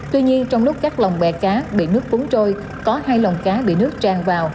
tuy nhiên trong lúc các lồng bè cá bị nước cuốn trôi có hai lồng cá bị nước tràn vào